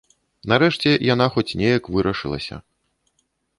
Нарэшце яна хоць неяк вырашылася.